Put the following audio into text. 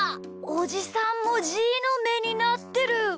おじさんもじーのめになってる！